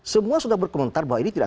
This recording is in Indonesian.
semua sudah berkomentar bahwa ini tidak